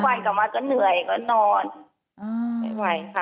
วันกลับมาก็เหนื่อยก็นอนไม่ไหวค่ะ